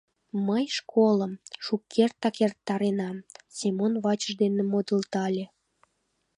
— Мый школым шукертак эртаренам, — Семон вачыж дене модылдале.